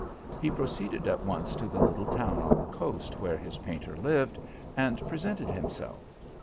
He proceeded at once to the little town on the coast where his painter lived, and presented himself.